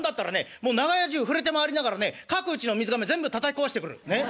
もう長屋中触れて回りながらね各家の水がめ全部たたき壊してくる。